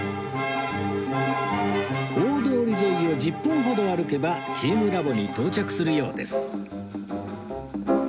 大通り沿いを１０分ほど歩けばチームラボに到着するようです